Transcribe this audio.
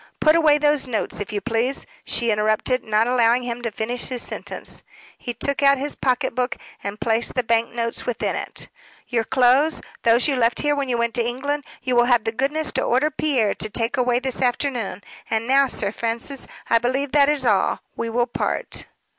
"Put away those notes, if you please," she interrupted, not allowing him to finish his sentence. He took out his pocket book and placed the bank notes within it. "Your clothes those you left here when you went to England you will have the goodness to order Pierre to take away this afternoon. And now, Sir Francis, I believe that is all: we will part."